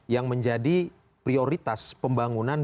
yang menjadi prioritas pembangunan